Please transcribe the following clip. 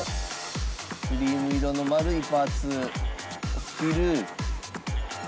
クリーム色の丸いパーツを切る。